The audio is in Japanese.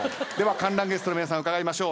観覧ゲストの皆さん伺いましょう。